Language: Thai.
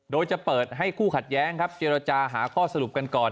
โดยจะเปิดให้คู่ขัดแย้งครับเจรจาหาข้อสรุปกันก่อน